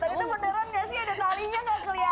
itu menderang gak sih ada talinya gak kelihatan